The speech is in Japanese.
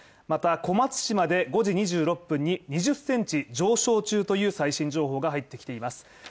また小松島で５時２６分に２０センチ上昇中という最新情報が入ってきています。